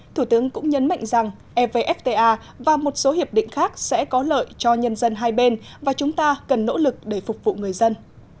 thủ tướng cũng nhấn mạnh rằng evfta và một số hiệp định khác sẽ có lợi cho nhân dân hai bên và chúng ta cần nỗ lực để phục vụ người dân